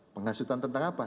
penghasutan tentang apa